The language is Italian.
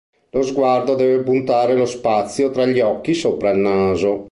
Lo sguardo deve puntare lo spazio tra gli occhi sopra il naso.